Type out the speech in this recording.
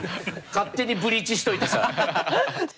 勝手にブリーチしといてさ。